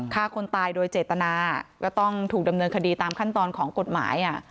ฆ่าคนตายโดยเจตนาก็ต้องถูกดำเนินคดีตามขั้นตอนของกฎหมาย